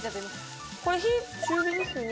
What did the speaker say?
これ火中火ですよね？